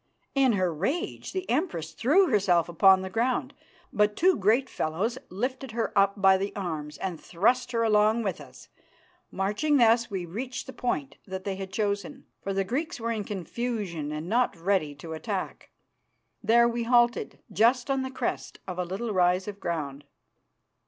In her rage the Empress threw herself upon the ground, but two great fellows lifted her up by the arms and thrust her along with us. Marching thus, we reached the point that they had chosen, for the Greeks were in confusion and not ready to attack. There we halted, just on the crest of a little rise of ground.